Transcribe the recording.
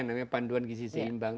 namanya panduan kisih seimbang